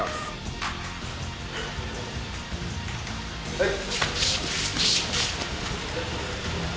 はい。